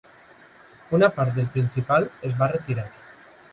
Una part del principal es va retirar.